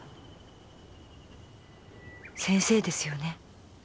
先生ですよね？